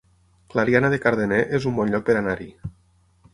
Clariana de Cardener es un bon lloc per anar-hi